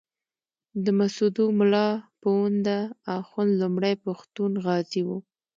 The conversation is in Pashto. د مسودو ملا پوونده اخُند لومړی پښتون غازي وو.